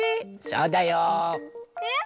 そうだよ。えっ？